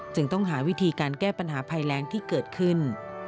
ต้องหาวิธีการแก้ปัญหาภัยแรงที่เกิดขึ้น